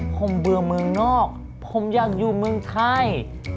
ผมเบื่อเมืองนอกผมอยากอยู่เมืองไทย